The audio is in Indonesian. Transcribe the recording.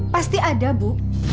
pasti ada bu